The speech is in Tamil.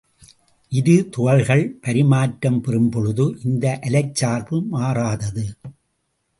இரு துகள்கள் பரிமாற்றம் பெறும்பொழுது இந்த அலைச் சார்பு மாறாதது.